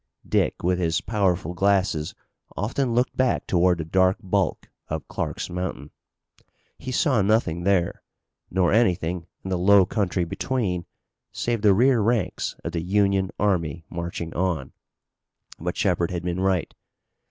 Dick with his powerful glasses often looked back toward the dark bulk of Clark's Mountain. He saw nothing there, nor anything in the low country between, save the rear ranks of the Union army marching on. But Shepard had been right.